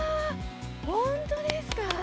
本当ですか？